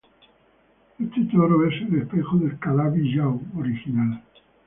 Este toro es el espejo del Calabi-Yau original.